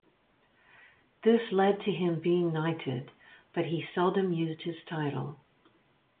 This led to him being knighted, but he seldom used his title.